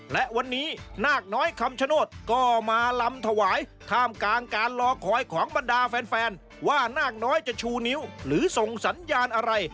และวันนี้นาคน้อยคำชโนธก็มาลำถวายท่ามกลางการรอคอยของบรรดาแฟนว่านาคน้อยจะชูนิ้วหรือส่งสัญญาณอะไร